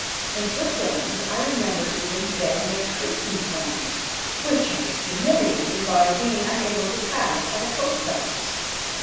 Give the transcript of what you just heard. In Switzerland I remember even getting a Cretan coin, which I was humiliated by being unable to pass at a post office.